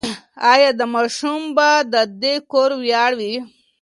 ایا دا ماشوم به د دې کور ویاړ وي؟